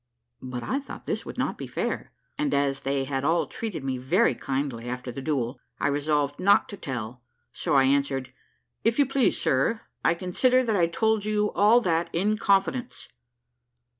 But I thought this would not be fair; and as they had all treated me very kindly after the duel, I resolved not to tell; so I answered, "If you please, sir, I consider that I told you all that in confidence."